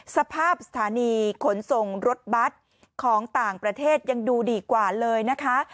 สถานีขนส่งรถบัตรของต่างประเทศยังดูดีกว่าเลยนะคะ